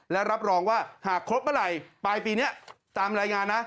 และรับรองว่าหากครบเมื่อไหร่ปลายปีนี้ตามรายงานนะ